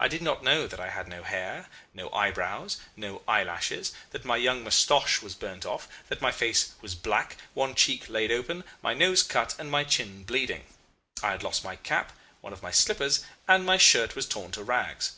I did not know that I had no hair, no eyebrows, no eyelashes, that my young moustache was burnt off, that my face was black, one cheek laid open, my nose cut, and my chin bleeding. I had lost my cap, one of my slippers, and my shirt was torn to rags.